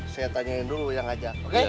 saya tanyain dulu yang ngajak oke